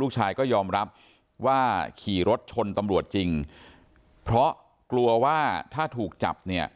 ลูกชายก็ยอมรับว่าขี่รถชนตำรวจจริงเพราะกลัวว่าถ้าถูกจับเนี่ย